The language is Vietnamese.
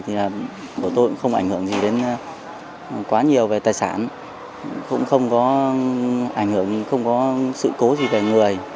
thì của tôi cũng không ảnh hưởng gì đến quá nhiều về tài sản cũng không có ảnh hưởng không có sự cố gì về người